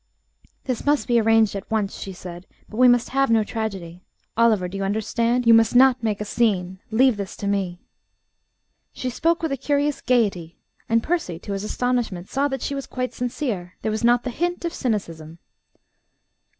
"This must be arranged at once," she said, "but we must have no tragedy. Oliver, do you understand? You must not make a scene. Leave this to me." She spoke with a curious gaiety; and Percy to his astonishment saw that she was quite sincere: there was not the hint of cynicism.